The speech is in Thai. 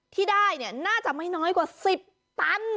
ที่ได้น่าจะไม่น้อยกว่า๑๐ตัน